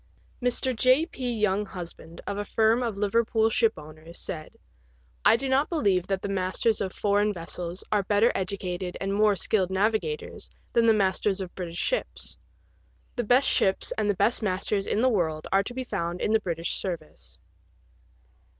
Mr. J. P. Younghusband, of a firm of Liverpool ship owners, said, "I do not believe that the masters of foreign vessels are better educated and more skilled navigators than the masters of British ships. The best ships and the best masters in the world are to be found in the British service."